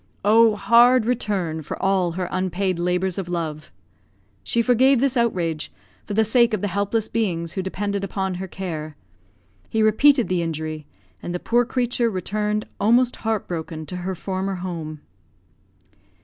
Oh, hard return for all her unpaid labours of love! She forgave this outrage for the sake of the helpless beings who depended upon her care. He repeated the injury, and the poor creature returned almost heart broken to her former home.